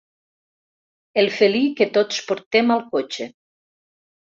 El felí que tots portem al cotxe.